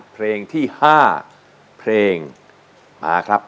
เพลงที่๕เพลงมาครับ